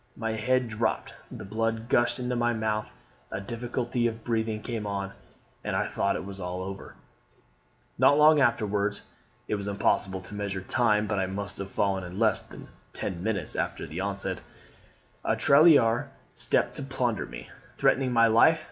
My head dropped, the blood gushed into my mouth, a difficulty of breathing came on, and I thought all was over. "Not long afterwards (it was impossible to measure time, but I must have fallen in less than ten minutes after the onset), a tirailleur stopped to plunder me, threatening my life.